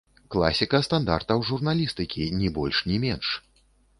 Класіка стандартаў журналістыкі, ні больш, ні менш.